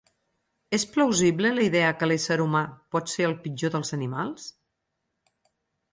És plausible la idea que l'ésser humà pot ser el pitjor dels animals?